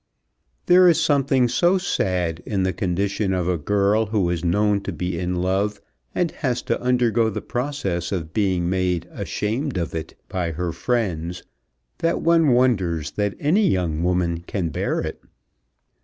There is something so sad in the condition of a girl who is known to be in love, and has to undergo the process of being made ashamed of it by her friends, that one wonders that any young woman can bear it.